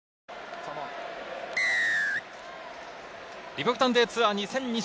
リポビタンＤツアー２０２２。